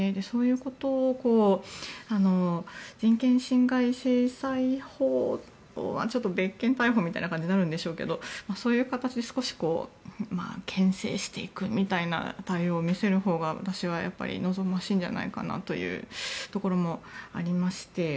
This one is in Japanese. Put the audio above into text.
そういうことをは人権侵害制裁法とは別件逮捕みたいな感じになるんでしょうけどそういう形で少し牽制していくみたいな対応を見せるほうが私はやっぱり望ましいんじゃないかなというところもありまして。